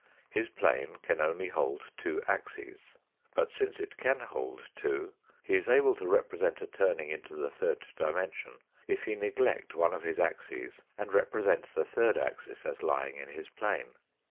His plane can only hold two axes. But, since it can hold two, he is able to represent a turning into the third dimension if he neglect one of his axes and represent the third axis as lying in his plane.